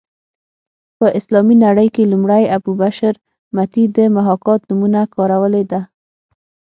په اسلامي نړۍ کې لومړی ابو بشر متي د محاکات نومونه کارولې ده